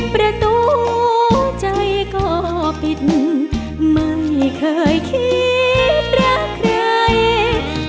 ประตูใจก็ปิดไม่เคยคิดรักใคร